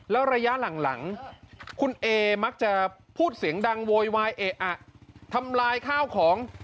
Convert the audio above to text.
แล้วระยะหลังคุณเอมักจะพูดเสียงดังโวยวายเอะอะทำลายข้าวของ